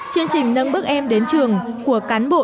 chương trình nâng bước em đến trường của cán bộ